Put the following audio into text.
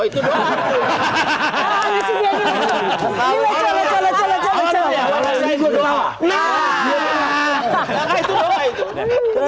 itu aja kalau gitu